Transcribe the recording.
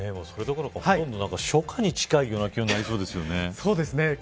それどころか、ほとんど初夏に近い気温になりそうですね。